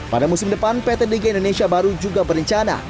pada musim depan pt dg indonesia baru juga berencana